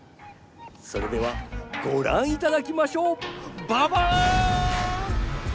それではごらんいただきましょう！ばばん！